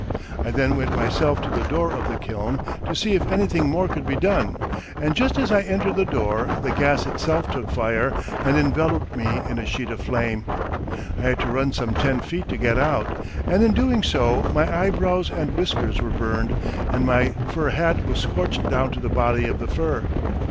I then went myself to the door of the kiln to see if anything more could be done, and just as I entered the door the gas itself took fire and enveloped me in a sheet of flame. I had to run some ten feet to get out, and in doing so my eyebrows and whiskers were burned, and my fur hat was scorched down to the body of the fur.